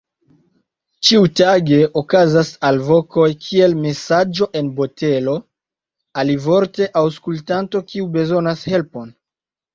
Ĉiutage okazas alvokoj kiel "Mesaĝo en botelo", alivorte aŭskultanto kiu bezonas helpon.